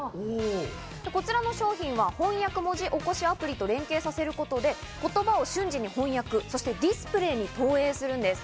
こちらの商品は翻訳文字おこしアプリと連携させることで言葉を瞬時に翻訳、ディスプレーに投影するんです。